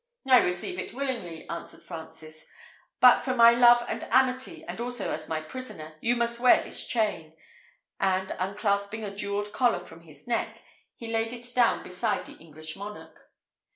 "I receive it willingly," answered Francis; "but for my love and amity, and also as my prisoner, you must wear this chain;" and, unclasping a jewelled collar from his neck, he laid it down beside the English monarch.